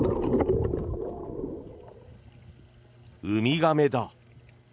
ウミガメだ。